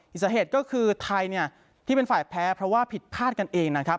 อีกสาเหตุก็คือไทยเนี่ยที่เป็นฝ่ายแพ้เพราะว่าผิดพลาดกันเองนะครับ